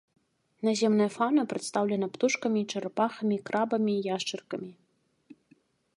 Наземная фаўна прадстаўлена птушкамі, чарапахамі, крабамі, яшчаркамі.